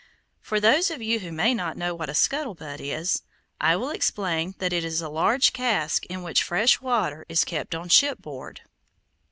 For those of you who may not know what a scuttle butt is, I will explain that it is a large cask in which fresh water is kept on shipboard.